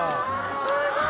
すごーい！